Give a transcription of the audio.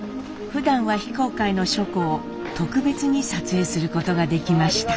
ふだんは非公開の書庫を特別に撮影することができました。